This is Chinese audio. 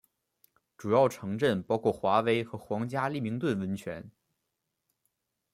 主要城镇包括华威和皇家利明顿温泉。